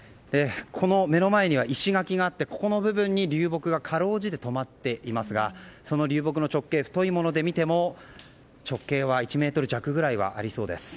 目の前には石垣があってこの部分で流木がかろうじて止まっていますがその流木の直径太いもので見ても直径は１ｍ弱くらいはありそうです。